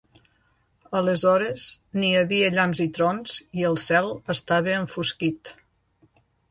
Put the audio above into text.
Aleshores, n'hi havia llamps i trons i el cel estava enfosquit.